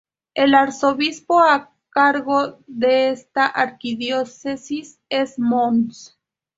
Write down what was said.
El arzobispo a cargo de esta arquidiócesis es Mons.